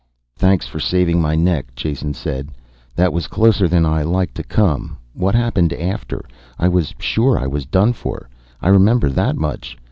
"Thanks for saving my neck," Jason said. "That was closer than I like to come. What happened after? I was sure I was done for, I remember that much.